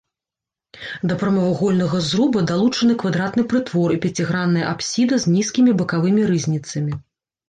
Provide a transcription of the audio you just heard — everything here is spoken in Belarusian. Да прамавугольнага зруба далучаны квадратны прытвор і пяцігранная апсіда з нізкімі бакавымі рызніцамі.